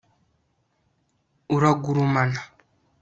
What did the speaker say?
uragurumana